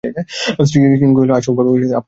শ্রীশ কহিল, আসুন রসিকবাবু, আপনি উঠছেন না যে।